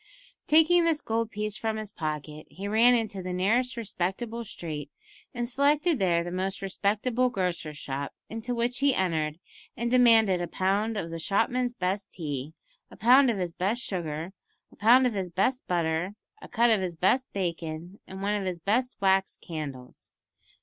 Taking this gold piece from his pocket, he ran into the nearest respectable street, and selected there the most respectable grocer's shop, into which he entered, and demanded a pound of the shopman's best tea, a pound of his best sugar, a pound of his best butter, a cut of his best bacon, and one of his best wax candles.